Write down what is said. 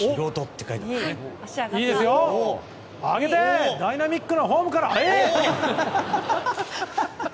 足を上げてダイナミックなフォームから。